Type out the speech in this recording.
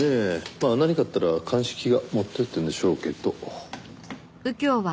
まあ何かあったら鑑識が持っていってるでしょうけど。